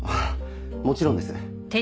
もちろんです。